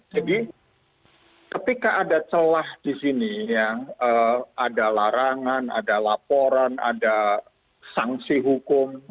jadi ketika ada celah di sini yang ada larangan ada laporan ada sanksi hukum